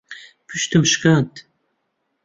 پشتمم شکاند.